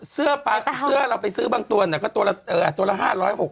เสื้อเราไปซื้อบางตัวน่ะก็ตัวละ๕๖๐บาท